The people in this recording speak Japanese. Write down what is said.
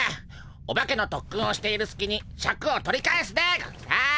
オバケのとっくんをしているすきにシャクを取り返すでゴンス。